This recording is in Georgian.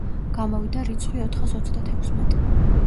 გამოვიდა რიცხვი ოთხას ოცდათექვსმეტი.